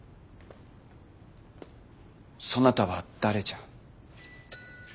そなたは誰じゃ。